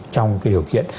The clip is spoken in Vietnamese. trong cái điều kiện